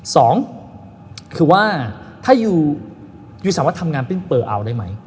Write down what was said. สองคือว่าถ้ายูยูสามารถทำงานปิ้งเปอร์เอาได้ไหม